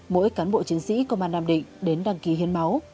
mỗi cán bộ chiến sĩ công an nam định đến đăng ký hiến máu